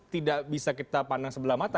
tidak bisa kita pandang sebelah mata